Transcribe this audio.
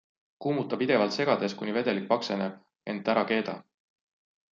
Kuumuta pidevalt segades, kuni vedelik pakseneb, ent ära keeda.